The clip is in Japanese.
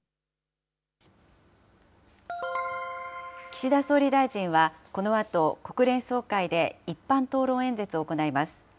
岸田総理大臣は、このあと国連総会で、一般討論演説を行います。